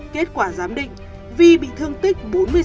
kết quả giám định vi bị thương tích bốn mươi sáu